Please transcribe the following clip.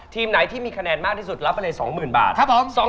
ทีมไหนที่มีคะแนนมากที่สุดรับไปเลย๒๐๐๐บาท